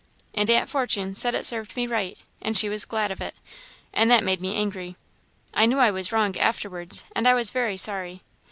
and Aunt Fortune said it served me right, and she was glad of it, and that made me angry. I knew I was wrong, afterwards, and I was very sorry.